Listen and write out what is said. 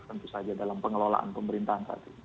tentu saja dalam pengelolaan pemerintahan saat ini